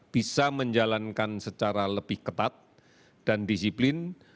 bisa menjalankan secara lebih ketat dan disiplin